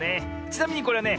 ちなみにこれはね